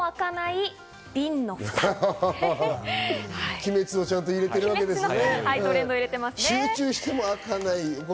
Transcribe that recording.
『鬼滅』をちゃんと入れてるわけですね。